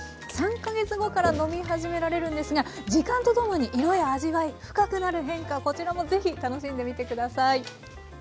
３か月後から飲み始められるんですが時間とともに色や味わい深くなる変化こちらもぜひ楽しんでみて下さい。